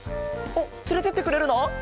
おっつれてってくれるの？